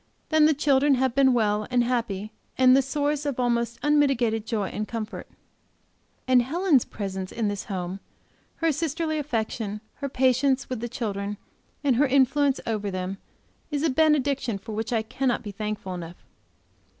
Then the children have been well and happy, and the source of almost unmitigated joy and comfort. And Helen's presence in this home, her sisterly affection, her patience with the children and her influence over them, is a benediction for which I cannot be thankful enough.